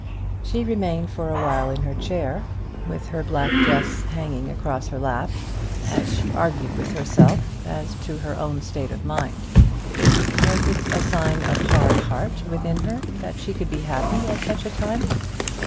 She remained for a while in her chair, with her black dress hanging across her lap, as she argued with herself as to her own state of mind. Was it a sign of a hard heart within her, that she could be happy at such a time?